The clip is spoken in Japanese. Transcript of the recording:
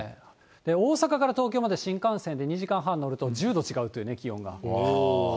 大阪から東京まで新幹線で２時間半乗ると、１０度違うというね、気温が。